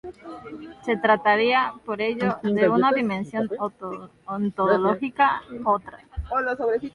Se trataría, por ello, de una dimensión ontológica "otra".